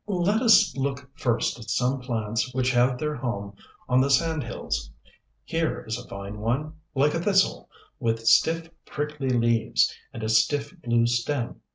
Let us look first at some plants which have their home on the sand hills. Here is a fine one, like a thistle, with stiff prickly leaves, and a stiff blue stem.